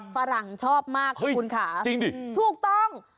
ฝรั่งชอบมากคุณขาถูกต้อง